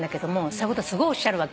そういうことすごいおっしゃる。